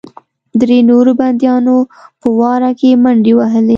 درې نورو بندیانو په واوره کې منډې وهلې